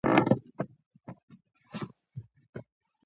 مکالمې ژور مفاهیم انتقالوي.